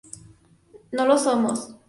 No lo somos.